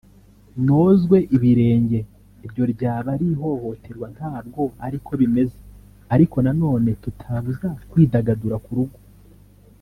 nozwe ibirenge iryo ryaba ari ihohoterwa ntabwo ariko bimeze ariko na none tutabuza kwidagadura ku rugo